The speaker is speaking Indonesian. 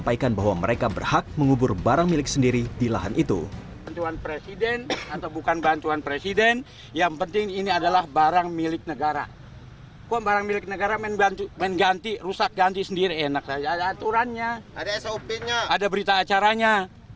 ada aturannya ada berita acaranya